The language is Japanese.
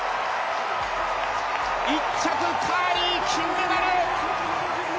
１着、カーリー金メダル！